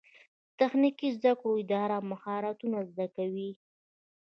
د تخنیکي زده کړو اداره مهارتونه زده کوي